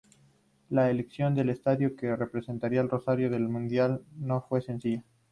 La elección del estadio que representaría a Rosario en el Mundial no fue sencilla.